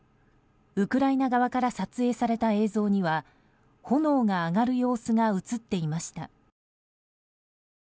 ウクライナ側から撮影された映像には炎が上がる様子が映っていました。